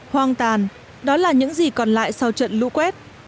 hoang tàn đó là những gì còn lại sau trận lũ quét